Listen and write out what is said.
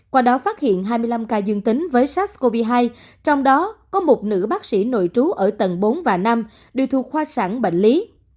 qua đó phát hiện hai mươi năm ca dương tính với sars cov hai trong đó có một nữ bác sĩ nội trú ở tầng bốn và năm đều thuộc khoa sản bệnh lý